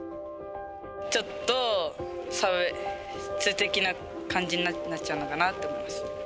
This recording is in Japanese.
ちょっと差別的な感じになっちゃうのかなと思います。